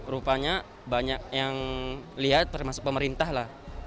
rupanya banyak yang lihat termasuk pemerintah lah